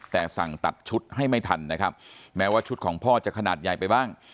แต่สั่งตัดชุดให้ไม่ทันนะครับแม้ว่าชุดของพ่อจะขนาดใหญ่ไปบ้าง